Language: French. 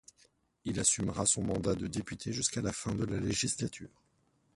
Il assumera son mandat de député jusqu'à la fin de la législature.